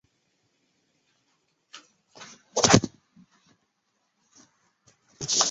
最近的巴士站是站前的土笔野站。